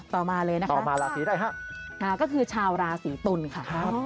ต่อมาเลยนะคะค่ะค่ะค่ะก็คือชาวราศรีตุลค่ะครับ